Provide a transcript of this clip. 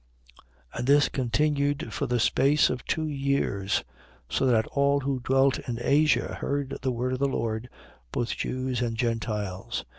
19:10. And this continued for the space of two years, so that all who dwelt in Asia heard the word of the Lord, both Jews and Gentiles.